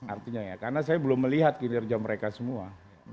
artinya ya karena saya belum melihat kinerja mereka semua